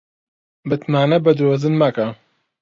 متمانە بە درۆزن مەکە